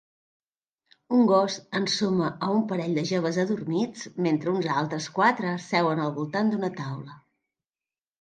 Un gos ensuma a un parell de joves adormits mentre uns altres quatre seuen al voltant d'una taula.